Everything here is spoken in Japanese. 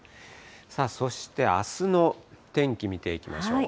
さあ、そしてあすの天気見ていきましょう。